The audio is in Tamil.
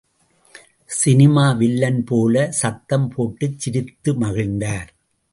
சினிமா வில்லன் போல சத்தம் போட்டுச் சிரித்து மகிழ்ந்தார்.